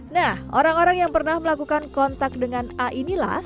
nah orang orang yang pernah melakukan kontak dengan a inilah